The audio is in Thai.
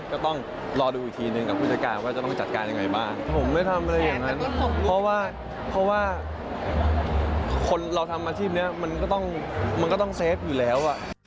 ก็ต้องรอดูอีกทีหนึ่งกับผู้จัดการว่าจะต้องจัดการยังไงบ้างถ้าผมไม่ทำอะไรอย่างนั้นเพราะว่าเพราะว่าคนเราทำอาชีพนี้มันก็ต้องมันก็ต้องเซฟอยู่แล้ว